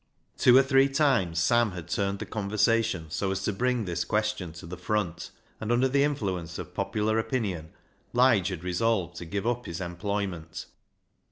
Two or three times Sam had turned the conversation so as to bring this question to the front, and under the influence of popular opinion Lige had resolved to give up his employment.